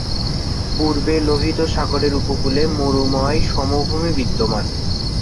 পূর্বে লোহিত সাগরের উপকূলে মরুময় সমভূমি বিদ্যমান।